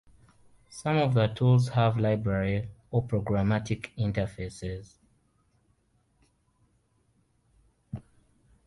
Some of those tools have library or programmatic interfaces.